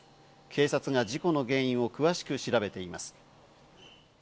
警察が事故の原因を詳しく調べています。